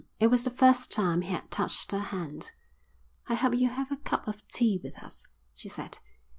It was the first time he had touched her hand. "I hope you'll have a cup of tea with us," she said.